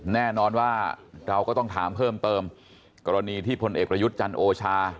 แน่นอนว่าเราก็ต้องถามเพิ่มเติมกรณีที่พลเอกประยุทธ์จันทร์โอชา